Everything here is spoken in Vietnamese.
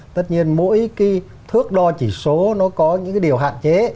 tất nhiên mỗi cái thước đo chỉ số nó có những cái điều hạn chế